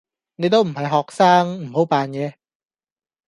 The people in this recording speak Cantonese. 你都唔係學生，唔好扮野